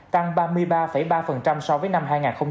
tăng ba mươi ba ba so với năm hai nghìn hai mươi một